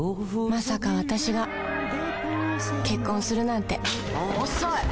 まさか私が結婚するなんて遅い！